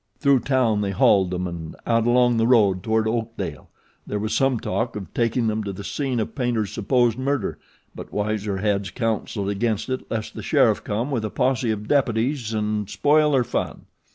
Through town they haled them and out along the road toward Oakdale. There was some talk of taking them to the scene of Paynter's supposed murder; but wiser heads counselled against it lest the sheriff come with a posse of deputies and spoil their fun.